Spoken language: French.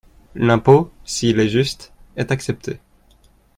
L’impôt, s’il est juste, est accepté.